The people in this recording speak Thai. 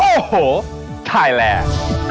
โอ้โหไทยแลนด์